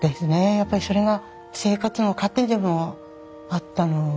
やっぱりそれが生活の糧でもあったので。